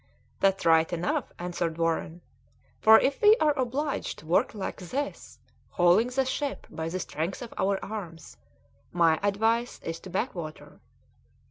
"That's right enough," answered Warren, "for if we are obliged to work like this, hauling the ship by the strength of our arms, my advice is to backwater."